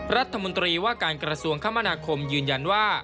รัฐมนตรีว่าการกระทรวงคมนาคมยืนยันว่า